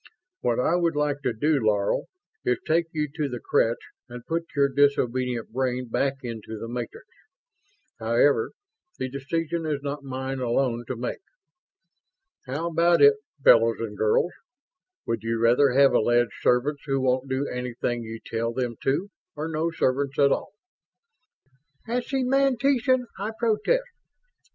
What I would like to do, Laro, is take you to the creche and put your disobedient brain back into the matrix. However, the decision is not mine alone to make. How about it, fellows and girls? Would you rather have alleged servants who won't do anything you tell them to or no servants at all?" "As semantician, I protest!"